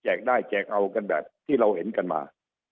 ได้แจกเอากันแบบที่เราเห็นกันมา